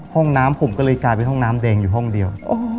ห้องน้ำผมก็เลยกลายเป็นห้องน้ำแดงอยู่ห้องเดียว